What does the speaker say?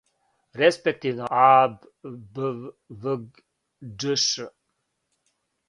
респективно аб, бв, вг, ..., џш.